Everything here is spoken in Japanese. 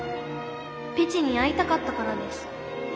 ペチに会いたかったからです。